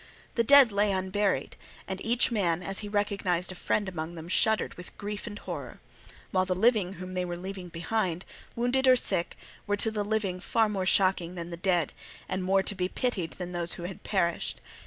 The dead lay unburied, and each man as he recognized a friend among them shuddered with grief and horror; while the living whom they were leaving behind, wounded or sick, were to the living far more shocking than the dead, and more to be pitied than those who had perished.